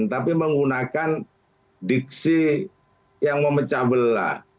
tapi menggunakan diksi yang memecah belah